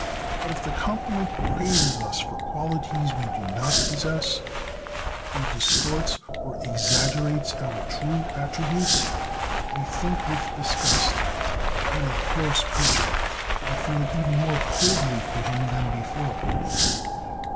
But if the compliment praises us for qualities we do not possess, or distorts or exaggerates our true attributes, we think with disgust: What a coarse creature! and feel even more coldly to him than before.